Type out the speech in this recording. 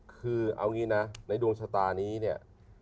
คือเอางี้นะในดวงชะตานี้เนี่ย